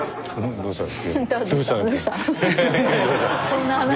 そんな話。